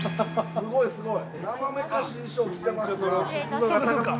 すごいすごい！